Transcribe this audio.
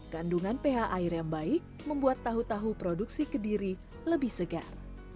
kandungan ph air yang baik membuat tahu tahu produksi kediri lebih segar